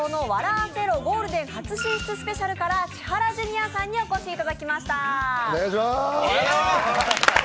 アセろゴールデン初進出スペシャル」から千原ジュニアさんにお越しいただきました。